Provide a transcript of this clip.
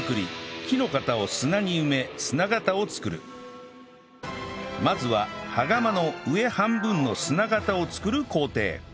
木の型を砂に埋めまずは羽釜の上半分の砂型を作る工程